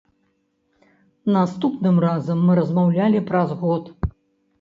Наступным разам мы размаўлялі праз год.